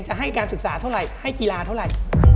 ให้การศึกษาเท่าไหร่ให้กีฬาเท่าไหร่